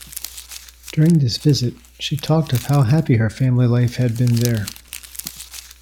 During this visit, she talked of how happy her family life had been there.